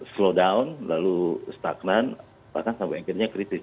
slow down lalu stagnan bahkan sampai akhirnya kritis